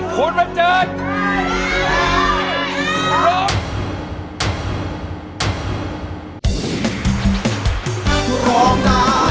ขุดแบบเจิด